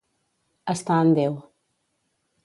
Estar en Déu.